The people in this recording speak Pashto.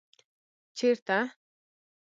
ـ چېرته ؟